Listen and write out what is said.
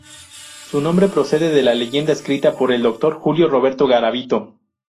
Su nombre procede de la leyenda escrita por el doctor Julio Roberto Garavito.